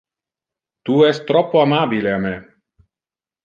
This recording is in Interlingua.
Tu es troppo amabile a me.